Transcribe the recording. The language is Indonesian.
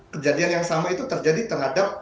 kejadian yang sama itu terjadi terhadap